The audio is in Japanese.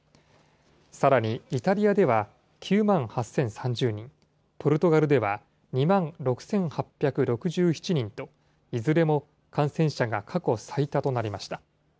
さらにイタリアでは９万８０３０人、ポルトガルでは２万６８６７人と、いずれも感染者が過去最多となりました。